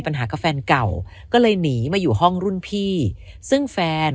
กับแฟนเก่าก็เลยหนีมาอยู่ห้องรุ่นพี่ซึ่งแฟน